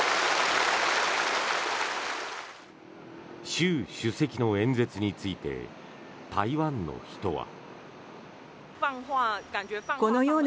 習主席の演説について台湾の人は。